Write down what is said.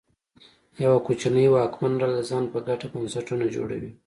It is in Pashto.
یوه کوچنۍ واکمنه ډله د ځان په ګټه بنسټونه جوړوي.